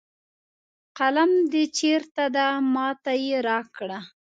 قلم د چېرته ده ما ته یې راکړه